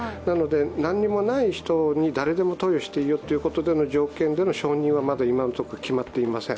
何にもない人に誰でも投与していいよということでの承認は、まだ今のところ決まっていません。